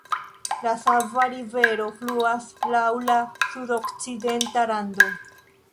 La Sava Rivero fluas laŭ la sudokcidenta rando.